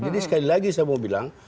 sekali lagi saya mau bilang